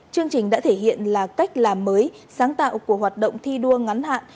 chương trình đã thể hiện là cách làm mới sáng tạo của hoạt động thi đua ngắn hạn